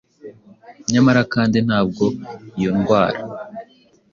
nyamara kandi ntabwo iyo ndwara